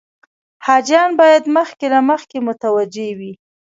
حاجیان باید مخکې له مخکې متوجه وي.